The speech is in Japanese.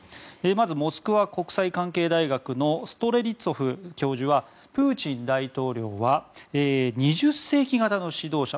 まず、モスクワ国際関係大学のストレリツォフ教授はプーチン大統領は２０世紀型の指導者。